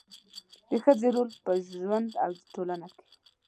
د ښځې رول په ژوند او ټولنه کې